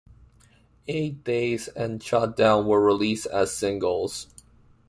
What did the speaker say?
"Eight Days" and "Shutdown" were released as singles.